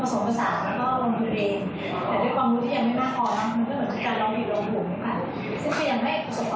ซึ่งก็ยังไม่คุณศัพท์คุณเดียวสับความ